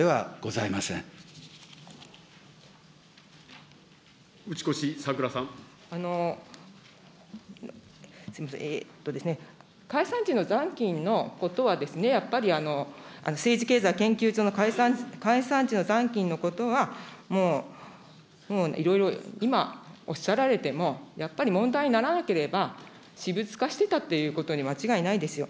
すみません、解散時の残金のことは、やっぱり政治経済研究所の解散時の残金のことは、もういろいろ、今おっしゃられても、やっぱり問題にならなければ、私物化してたっていうことに間違いないですよ。